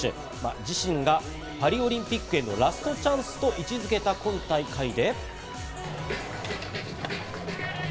自身がパリオリンピックへのラストチャンスと位置付けた今大会で。